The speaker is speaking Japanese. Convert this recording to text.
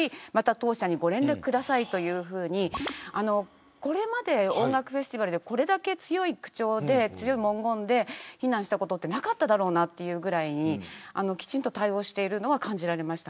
当社にご連絡くださいというふうにこれまで音楽フェスティバルでこれだけ強い口調で強い文言で非難したことってなかっただろうなというぐらいきちんと対応しているのは感じられました。